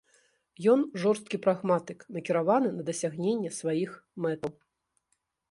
Ён жорсткі прагматык, накіраваны на дасягненне сваіх мэтаў.